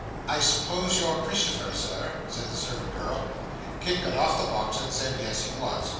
'I suppose you're Christopher, sir,' said the servant girl. Kit got off the box, and said yes, he was.